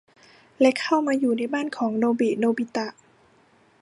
และเข้ามาอยู่ในบ้านของโนบิ โนบิตะ